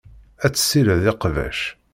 Ad tessired iqbac.